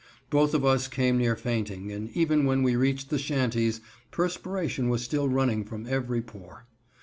Both of us came near fainting, and even when we reached the shanties, perspiration was still running from every pore.